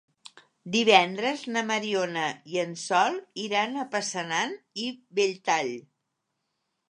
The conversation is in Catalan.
Divendres na Mariona i en Sol iran a Passanant i Belltall.